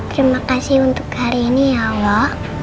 terima kasih untuk hari ini ya allah